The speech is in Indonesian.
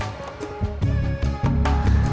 liat dong liat